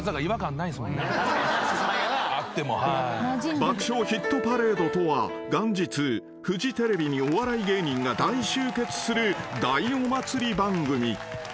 ［『爆笑ヒットパレード』とは元日フジテレビにお笑い芸人が大集結する大お祭り番組］